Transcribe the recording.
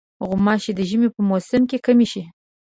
غوماشې د ژمي په موسم کې کمې شي.